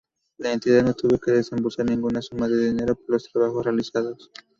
La entidad no tuvo que desembolsar ninguna suma de dinero por los trabajos realizados.